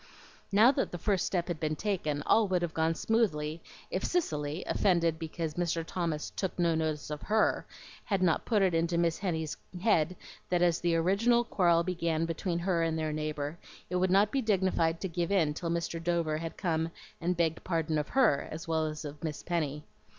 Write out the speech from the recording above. Now that the first step had been taken, all would have gone smoothly if Cicely, offended because Mr. Thomas took no notice of HER, had not put it into Miss Henny's head that as the original quarrel began between her and their neighbor, it would not be dignified to give in till Mr. Dover had come and begged pardon of HER as well as of Miss Penny.